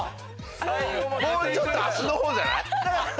もうちょっと足の方じゃない？